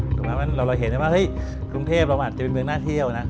เพราะฉะนั้นเราเห็นว่าครุงเทพฯเราอาจจะเป็นเมืองน่าเที่ยวนะ